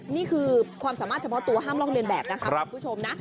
นี่คือความสามารถเฉพาะตัวห้ามลอกเรียนแบบนะคะคุณผู้ชมนะ